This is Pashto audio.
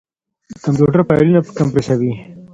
کمپيوټر فايلونه کمپريسوي.